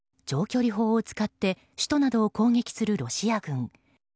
長距離砲を使って首都などを攻撃するロシア軍。